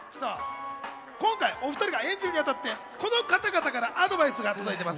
今回、お２人が演じるに当たって、この方々からアドバイスが届いています。